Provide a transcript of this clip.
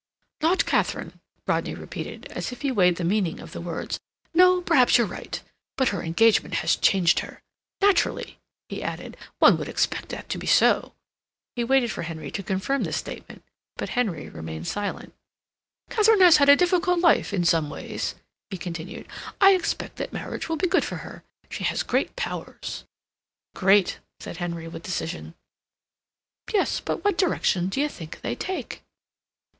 "Not Katharine," Rodney repeated, as if he weighed the meaning of the words. "No, perhaps you're right. But her engagement has changed her. Naturally," he added, "one would expect that to be so." He waited for Henry to confirm this statement, but Henry remained silent. "Katharine has had a difficult life, in some ways," he continued. "I expect that marriage will be good for her. She has great powers." "Great," said Henry, with decision. "Yes—but now what direction d'you think they take?"